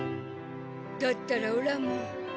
だったらオラも。